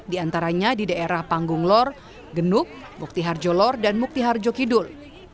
diantaranya di daerah panggung lor genuk mukti harjo lor dan mukti harjo kidul